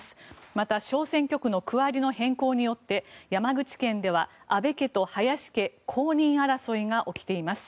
また、小選挙区の区割りの変更によって山口県では安倍家と林家公認争いが起きています。